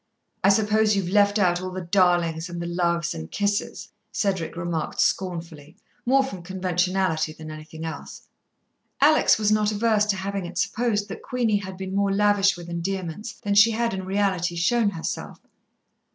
"I suppose you've left out all the darlings and the loves and kisses," Cedric remarked scornfully, more from conventionality than anything else. Alex was not averse to having it supposed that Queenie had been more lavish with endearments than she had in reality shown herself.